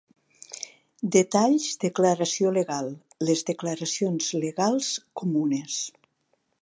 Detalls declaració legal: les declaracions legals comunes.